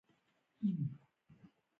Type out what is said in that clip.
غفور لېوال